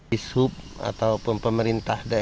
di sub atau pemerintah daerah